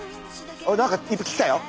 何か１匹来たよ。